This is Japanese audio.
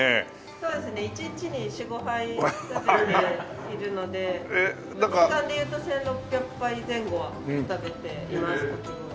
そうですね一日に４５杯食べているので年間でいうと１６００杯前後は食べていますかき氷。